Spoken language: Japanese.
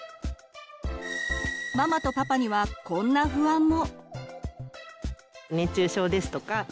ママとパパにはこんな不安も。